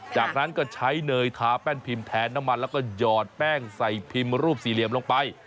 จากนั้นก็ใช้เนยทาแป้นพิมพ์แทนน้ำมันแล้วก็หยอดแป้งใส่พิมพ์รูปสี่เหลี่ยมลงไป